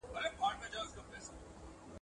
پردى اور تر واورو سوړ دئ.